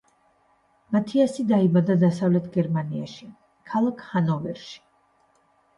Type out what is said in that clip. მათიასი დაიბადა დასავლეთ გერმანიაში, ქალაქ ჰანოვერში.